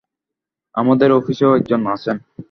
আমাদের অফিসেও একজন আছেন।